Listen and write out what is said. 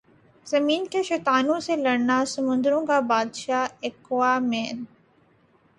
زمین کے شیطانوں سے لڑتا سمندروں کا بادشاہ ایکوامین